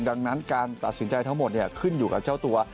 ดังนั้นการตัดสินใจทั้งหมดขึ้นอยู่กับเจ้าตัว